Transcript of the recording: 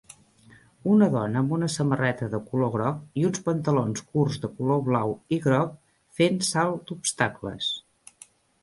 Una dona amb una samarreta de color groc i uns pantalons curts de color blau i groc fent salt d"obstacles.